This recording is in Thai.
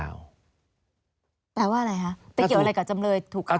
แต่ว่าอะไรฮะไปเกี่ยวอะไรกับจำเลยถูกขังหรือไม่ถูกขัง